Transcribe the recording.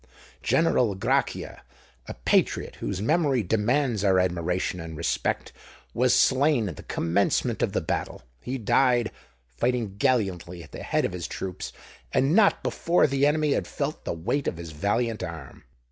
General Grachia,—a patriot whose memory demands our admiration and respect,—was slain at the commencement of the battle. He died, fighting gallantly at the head of his troops; and not before the enemy had felt the weight of his valiant arm.